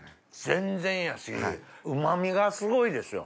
全然やしうま味がすごいですよ。